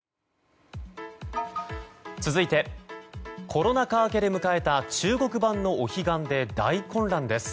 続いてコロナ禍明けで迎えた中国版のお彼岸で大混乱です。